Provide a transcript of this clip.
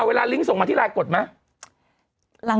เอาเวลาลิ้งก์ส่งมาที่ลายกดเตรียมหน้า